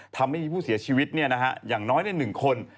ทำให้มีผู้เสียชีวิตนี่อย่างน้อยแน่นหนึ่งคน